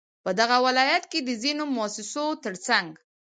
په دغه ولايت كې د ځينو مؤسسو ترڅنگ